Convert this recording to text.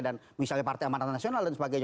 dan misalnya partai amanat nasional dan sebagainya